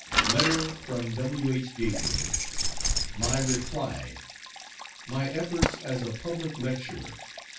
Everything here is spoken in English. _Letter from W.H. Gatewood. My reply. My efforts as a public lecturer.